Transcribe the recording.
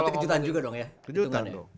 itu kejutan juga dong ya